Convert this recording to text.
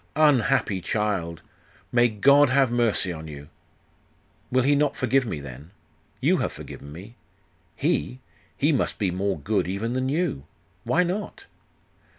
'Unhappy child! May God have mercy on you!' 'Will He not forgive me, then? You have forgiven me. He? He must be more good even than you. Why not?